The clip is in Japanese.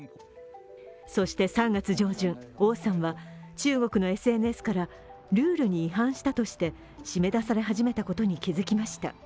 そして３月上旬王さんは中国のＳＮＳからルールに違反したとして締め出され始めたことに気づきました。